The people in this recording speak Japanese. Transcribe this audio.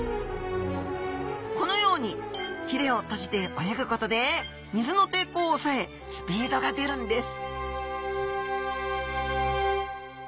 このようにひれを閉じて泳ぐことで水の抵抗を抑えスピードが出るんです